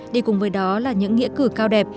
đi cùng với đó là những nghĩa cử cao đẹp